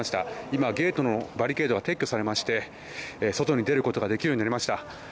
今、ゲートのバリケードが撤去されまして外に出ることができるようになりました。